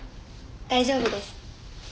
大丈夫です。